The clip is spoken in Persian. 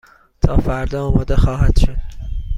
تا فردا آماده خواهد شد.